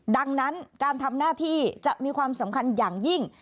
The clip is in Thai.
ดังนั้นการทำหน้าที่จะมีความสำคัญอย่างยิ่ง